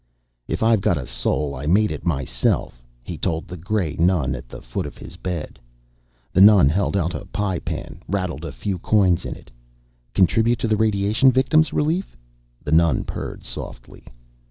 "If I've got a soul, I made it myself," he told the gray nun at the foot of his bed. The nun held out a pie pan, rattled a few coins in it. "Contribute to the Radiation Victims' Relief?" the nun purred softly.